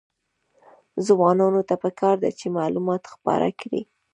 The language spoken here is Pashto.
ځوانانو ته پکار ده چې، معلومات خپاره کړي.